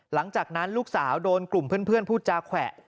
หลังจากนั้นลูกสาวโดนกลุ่มเพื่อนพูดจาแขวะ